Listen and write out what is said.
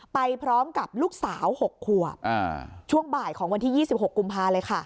ไปพร้อมกับลูกสาวหกขวบอ่าช่วงบ่ายของวันที่ยี่สิบหกกุมภาพันธ์เลยค่ะ